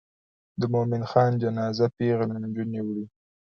د مومن خان جنازه پیغلې نجونې وړي.